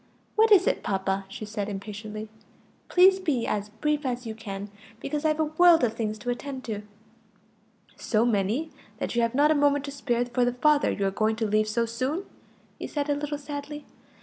"What is it, papa?" she said impatiently. "Please be as brief as you can; because I've a world of things to attend to." "So many that you have not a moment to spare for the father you are going to leave so soon?" he said a little sadly.